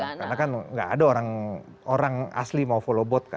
karena kan nggak ada orang asli mau follow bot kan